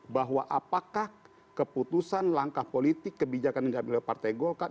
bahwa apakah keputusan langkah politik kebijakan yang diambil oleh partai golkar